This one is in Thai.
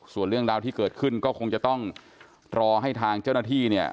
ส่วนเรื่องราวที่เกิดขึ้นก็คงจะต้องรอให้ทางเจ้าหน้าที่เนี่ย